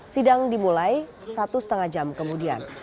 sidang dimulai satu setengah jam kemudian